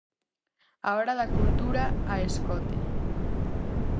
A hora da cultura a escote.